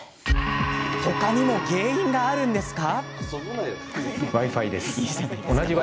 他にも原因があるんですか？